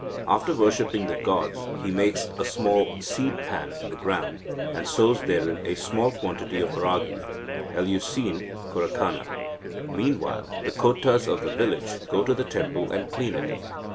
After worshipping the gods, he makes a small seed pan in the ground, and sows therein a small quantity of ragi (Eleusine Coracana). Meanwhile, the Kotas of the village go to the temple, and clean it.